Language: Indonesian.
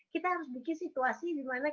kita harus bikin situasi dimana